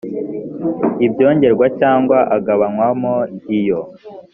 ibyongerwa cyangwa agabanywamo iyo